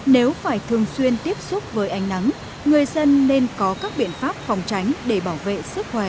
nếu phải thường xuyên tiếp xúc với ánh nắng người dân nên có các biện pháp phòng tránh để bảo vệ sức khỏe